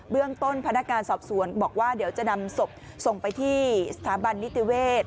เรื่องต้นพนักการสอบสวนบอกว่าเดี๋ยวจะนำศพส่งไปที่สถาบันนิติเวศ